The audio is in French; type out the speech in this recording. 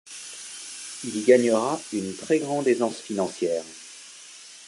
Il y gagnera une très grande aisance financière.